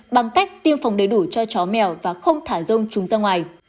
bằng cách tiêm phòng đầy đủ cho chó mèo và không thả rông chúng ra ngoài